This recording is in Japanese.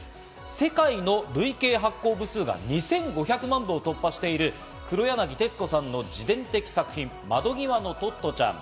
世界の累計発行部数が２５００万部を突破している黒柳徹子さんの自伝的作品『窓ぎわのトットちゃん』。